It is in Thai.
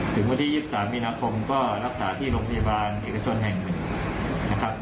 ถึงวันที่๒๓มีนาคมก็รักษาที่โรงพยาบาลเอกชนแห่งหนึ่งนะครับ